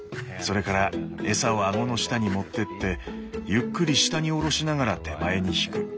それから餌を顎の下に持ってってゆっくり下におろしながら手前に引く。